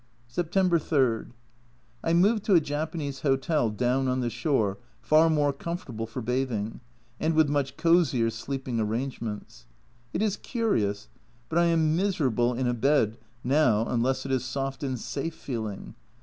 September 3. I moved to a Japanese hotel down on the shore, far more comfortable for bathing and with much cosier sleeping arrangements. It is curious, but I am miserable in a bed now unless it is soft and safe feeling.